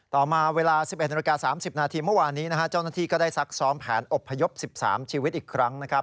ต่อมาเวลา๑๑นาฬิกา๓๐นาทีเมื่อวานนี้นะฮะเจ้าหน้าที่ก็ได้ซักซ้อมแผนอบพยพ๑๓ชีวิตอีกครั้งนะครับ